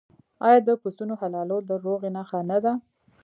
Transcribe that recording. آیا د پسونو حلالول د روغې نښه نه ده؟